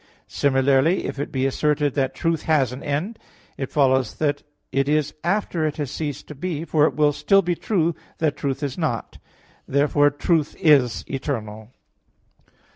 Similarly, if it be asserted that truth has an end, it follows that it is after it has ceased to be, for it will still be true that truth is not. Therefore truth is eternal.